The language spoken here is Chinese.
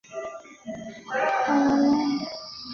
后又任耶鲁大学驻校作曲家。